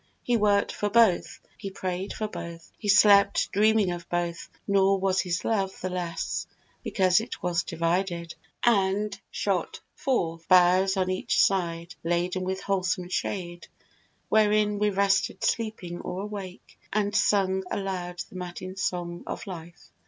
He worked for both: he pray'd for both: he slept Dreaming of both; nor was his love the less Because it was divided, and shot forth Boughs on each side, laden with wholesome shade, Wherein we rested sleeping or awake, And sung aloud the matin song of life.